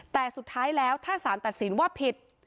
แต่สุดท้ายแล้วถ้าสารตัดสินว่าผิด